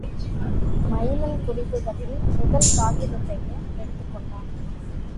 Maiman குறிப்புகளின் முதல் காகிதத்தையும் எடுத்துக் கொண்டான்.